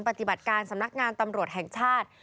ปฏิบัติการสำนักงานตำรวจแห่งชาติ